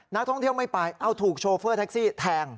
นักท่องเที่ยวไม่ไปเอาถูกโชเฟอร์แท็กซี่แทง